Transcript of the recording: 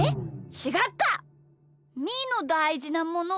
ちがった！